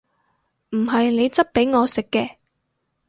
唔係你質俾我食嘅！